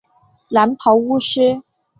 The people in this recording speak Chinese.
蓝袍巫师。